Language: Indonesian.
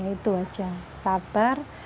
itu saja sabar